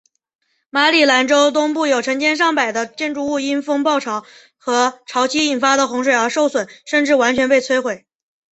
马里兰州东部有成百上千的建筑物因风暴潮和潮汐引发的洪水而受损甚至完全被摧毁。